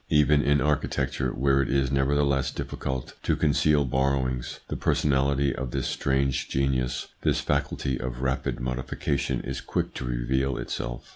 Even in architecture, where it is nevertheless difficult to conceal borrowings, the personality of this strange genius, this faculty of rapid modification is quick to reveal itself.